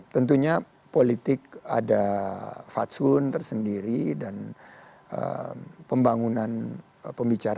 tentunya politik ada fatsun tersendiri dan pembangunan pembicaraan